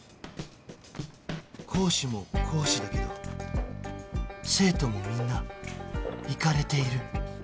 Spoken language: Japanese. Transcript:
講師も講師だけど生徒もみんなイカれている